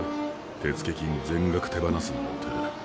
手付金全額手放すなんて。